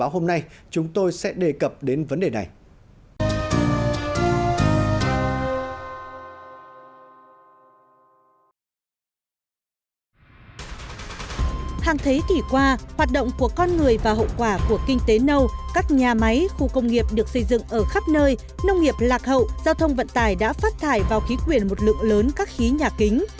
hàng thế kỷ qua hoạt động của con người và hậu quả của kinh tế nâu các nhà máy khu công nghiệp được xây dựng ở khắp nơi nông nghiệp lạc hậu giao thông vận tải đã phát thải vào khí quyển một lượng lớn các khí nhà kính